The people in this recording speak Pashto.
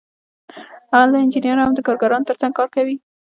هلته انجینران هم د کارګرانو ترڅنګ کار کوي